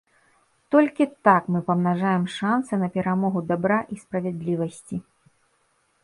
Толькі так мы памнажаем шансы на перамогу дабра і справядлівасці.